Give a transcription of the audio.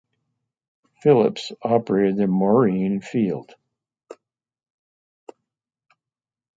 Phillips operated the Maureen field.